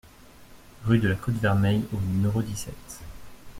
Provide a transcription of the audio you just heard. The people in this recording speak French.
Rue de la Côte Vermeille au numéro dix-sept